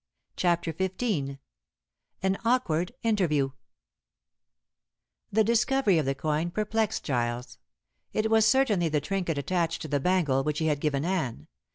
CHAPTER XV AN AWKWARD INTERVIEW The discovery of the coin perplexed Giles. It was certainly the trinket attached to the bangle which he had given Anne.